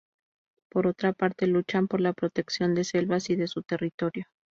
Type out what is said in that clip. Por otra parte luchan por la protección de selvas y de su territorio.